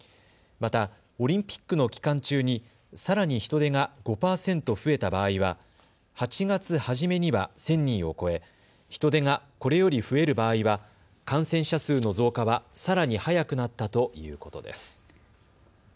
また、オリンピックの期間中にさらに人出が５％増えた場合は８月初めには１０００人を超え人出が、これより増える場合は感染者数の増加はさらに早くなったということです。